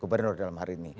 gubernur dalam hari ini